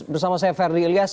bersama saya ferdie ilyas